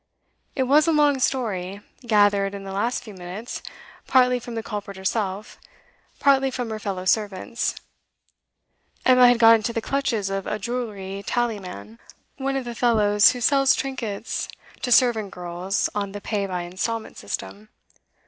It was a long story, gathered, in the last few minutes, partly from the culprit herself, partly from her fellow servants. Emma had got into the clutches of a jewellery tallyman, one of the fellows who sell trinkets to servant girls on the pay by instalment system.